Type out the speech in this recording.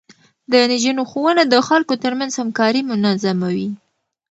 د نجونو ښوونه د خلکو ترمنځ همکاري منظموي.